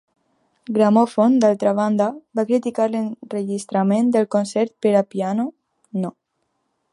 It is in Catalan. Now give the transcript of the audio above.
Gramòfon, d'altra banda, va criticar l'enregistrament del Concert per a piano No.